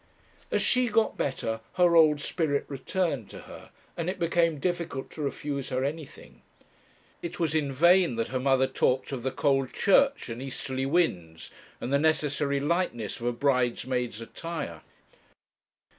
As she got better her old spirit returned to her, and it became difficult to refuse her anything. It was in vain that her mother talked of the cold church, and easterly winds, and the necessary lightness of a bridesmaid's attire.